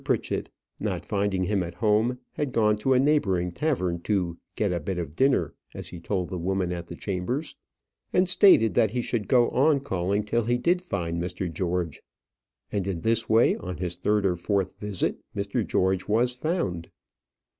Pritchett, not finding him at home, had gone to a neighbouring tavern "to get a bit of dinner," as he told the woman at the chambers; and stated, that he should go on calling till he did find Mr. George. And in this way, on his third or fourth visit, Mr. George was found.